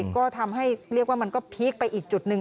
ก็ทำให้เรียกว่ามันก็พีคไปอีกจุดหนึ่ง